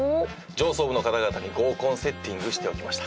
上層部の方々に合コンセッティングしておきました。